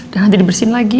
dan nanti dibersihin lagi ya